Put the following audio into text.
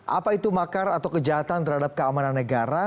apa itu makar atau kejahatan terhadap keamanan negara